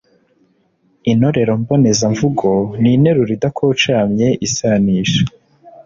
Interuro mbonezamvugo ni interuro idakocamye isanisha